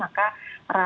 maka ragam penularan